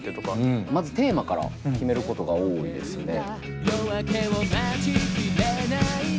まずテーマから決めることが多いですね。